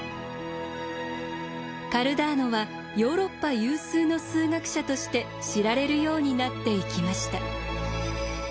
カルダーノはヨーロッパ有数の数学者として知られるようになっていきました。